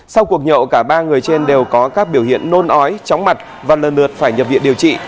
sau cuộc nhậu cả ba người trên đều có các biểu hiện nôn ói chóng mặt và lần lượt phải nhập viện điều trị